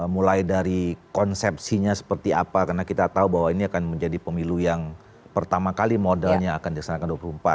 mulai dari konsepsinya seperti apa karena kita tahu bahwa ini akan menjadi pemilu yang pertama kali modalnya akan dilaksanakan dua ribu empat belas